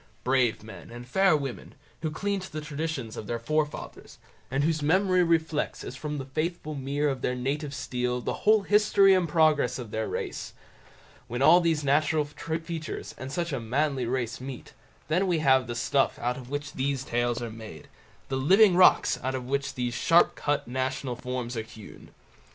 Brave men and fair women, who cling to the traditions of their forefathers, and whose memory reflects as from the faithful mirror of their native steel the whole history and progress of their race—when all these natural features, and such a manly race meet; then we have the stuff out of which these tales are made, the living rocks out of which these sharp cut national forms are hewn.